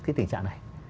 cái tình trạng này